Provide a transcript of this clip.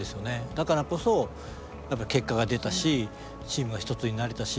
だからこそ結果が出たしチームが一つになれたし。